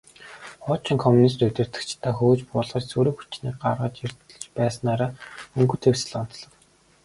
Хуучин коммунист удирдагчдаа хөөж буулган, сөрөг хүчнийг гаргаж ирж байснаараа «Өнгөт хувьсгал» онцлог.